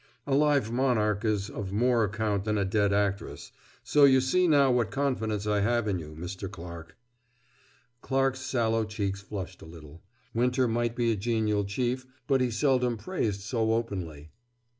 A live monarch is of more account than a dead actress, so you see now what confidence I have in you, Mr. Clarke." Clarke's sallow cheeks flushed a little. Winter might be a genial chief, but he seldom praised so openly.